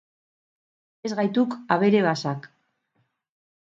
Ez gaituk abere basak.